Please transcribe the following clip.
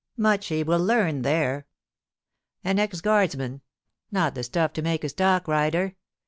Much he will learn there ! An ex guardsman ; not the stuff to make a stockrider.